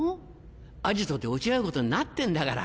アジトで落ち合うことになってんだから。